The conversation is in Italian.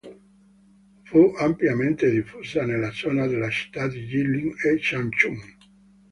Fu ampiamente diffusa nella zona delle città di Jilin e Changchun.